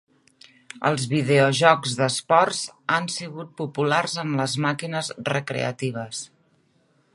Els videojocs d'esports han sigut populars en les màquines recreatives.